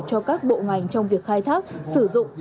cho các bộ ngành trong việc khai thác sử dụng